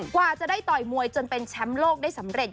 กว่าจะได้ต่อยมวยจนเป็นแชมป์โลกได้สำเร็จ